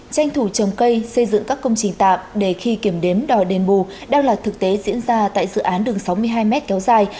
tranh thủ trồng cây xây dựng các công trình tạm để khi kiểm đếm đòi đền bù đang là thực tế diễn ra tại dự án đường sáu mươi hai m kéo dài